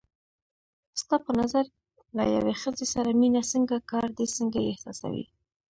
ستا په نظر له یوې ښځې سره مینه څنګه کار دی، څنګه یې احساسوې؟